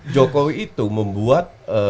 jokowi itu membuat